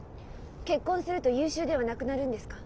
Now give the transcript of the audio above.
結婚すると優秀ではなくなるんですか？